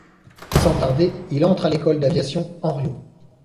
Sans tarder, il entre à l’école d’aviation Hanriot.